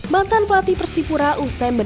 mantan pelatih persifura usai medan